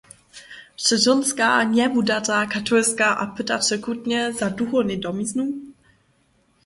Sće žónska, njewudata, katolska a pytaće chutnje za duchownej domiznu?